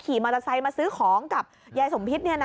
คีย์มอเมอร์ไซค์มาซื้อของกับแยยล์สมพิษเนี่ยนะ